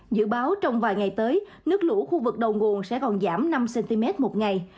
dự báo trong vài ngày tới nước lũ khu vực đầu nguồn sẽ còn giảm năm cm một ngày